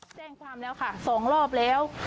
แจ้งความแล้วค่ะ๒รอบแล้ว